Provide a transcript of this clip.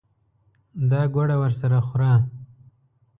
دا ګوړه ورسره خوره.